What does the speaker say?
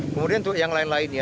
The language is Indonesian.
kemudian untuk yang lain lainnya